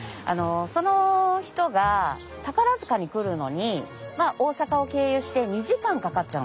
その人が宝塚に来るのに大阪を経由して２時間かかっちゃうんですよ。